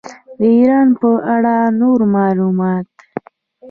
د ایران په اړه نور معلومات.